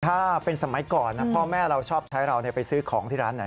ถ้าเป็นสมัยก่อนพ่อแม่เราชอบใช้เราไปซื้อของที่ร้านไหน